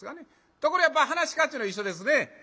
ところがやっぱ噺家っちゅうのは一緒ですね。